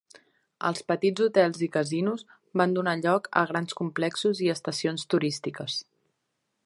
Els petits hotels i casinos van donar lloc a grans complexos i estacions turístiques.